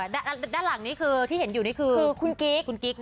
ด้านหลังนี้คือที่เห็นอยู่นี่คือคุณกิ๊กคุณกิ๊ก